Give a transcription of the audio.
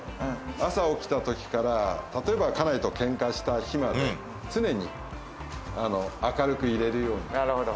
朝起きた時から例えば家内と喧嘩した日まで、常に明るくいれるように。